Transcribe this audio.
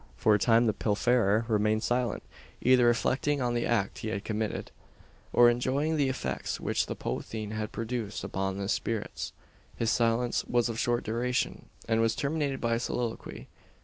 For a time the pilferer remained silent; either reflecting on the act he had committed, or enjoying the effects which the "potheen" had produced upon his spirits. His silence was of short duration; and was terminated by a soliloquy.